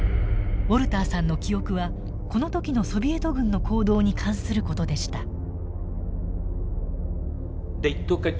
ウォルターさんの記憶はこの時のソビエト軍の行動に関する事でした。